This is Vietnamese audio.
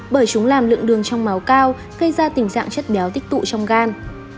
bởi chúng làm lượng đường trong máu cao gây ra tình trạng chất béo tích tụ trong gan